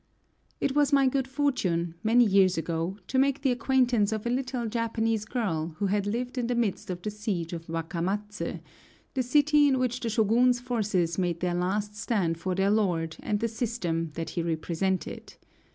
It was my good fortune, many years ago, to make the acquaintance of a little Japanese girl who had lived in the midst of the siege of Wakamatsu, the city in which the Shōgun's forces made their last stand for their lord and the system that he represented.